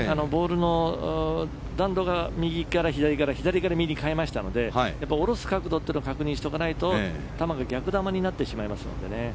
ボールの弾道が右から左から左から右に変えましたので下ろす角度を確認しておかないと球が逆球になってしまいますのでね。